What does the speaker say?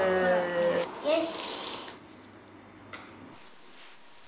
よし！